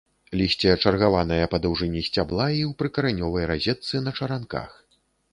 Лісце чаргаванае па даўжыні сцябла і ў прыкаранёвай разетцы, на чаранках.